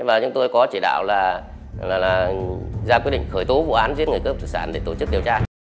và chúng tôi có chỉ đạo là ra quyết định khởi tố vụ án giết người cướp tài sản để tổ chức điều tra